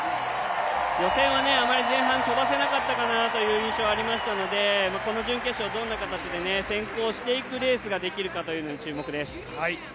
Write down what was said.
予選はあまり前半飛ばせなかったかなという印象ありますのでこの準決勝、どんな形で、先行していくレースができるのかというところに注目です。